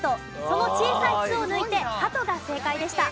その小さい「つ」を抜いて「はと」が正解でした。